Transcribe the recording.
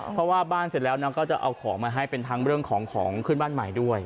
เพราะว่าบ้านเสร็จแล้วนะก็จะเอาของมาให้เป็นทั้งเรื่องของของขึ้นบ้านใหม่ด้วย